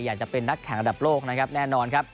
อยากจะเป็นนักแข่งระดับโลกนะครับแน่นอนครับ